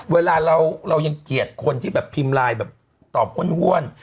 เวลาเรายังเกลียดคนที่แบบพิมพ์ไลน์แบบตอบห้วน